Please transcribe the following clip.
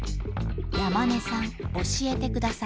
山根さん教えてください。